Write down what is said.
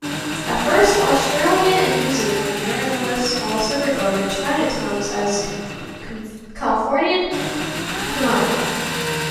At first, Australian and New Zealand journalists also regarded Chinatowns as Californian phenomena.